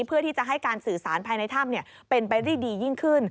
เพื่อที่จะให้การสื่อสารภายในถ้ำเป็นไปได้ดียิ่งขึ้น